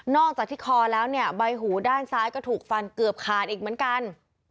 อกจากที่คอแล้วเนี่ยใบหูด้านซ้ายก็ถูกฟันเกือบขาดอีกเหมือนกัน